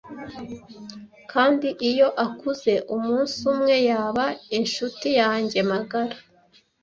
Kandi iyo akuze umunsi umwe yaba inshuti yanjye magara.